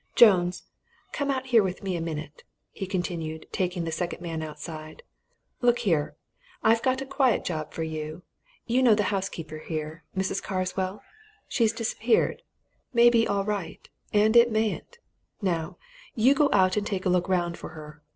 Jones come out here with me a minute," he continued, taking the second man outside. "Look here I've a quiet job for you. You know the housekeeper here Mrs. Carswell? She's disappeared. May be all right and it mayn't. Now, you go out and take a look round for her.